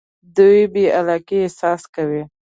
دوی بې علاقه احساس کوي.